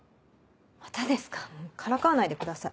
またですかからかわないでください。